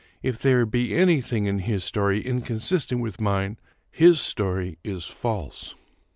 If there be anything in his story inconsistent with mine, his story is false."